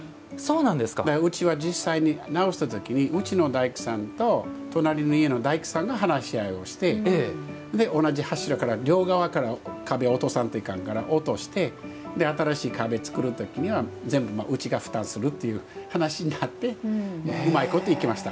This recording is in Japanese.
うちは実際に直したときにうちの大工さんと隣の家の大工さんが話し合いをして同じ柱から両側から壁を落とさんといかんから落として新しい壁を作るときには全部うちが負担するという話になってうまいこといきました。